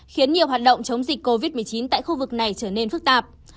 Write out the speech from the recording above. khiến nhiều hoạt động chống dịch covid một mươi chín tại khu vực này trở nên phức tạp